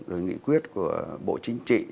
rồi nghị quyết của bộ chủ nghĩa việt nam